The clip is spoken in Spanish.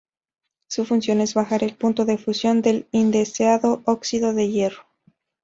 Su función es bajar el punto de fusión del indeseado óxido de hierro.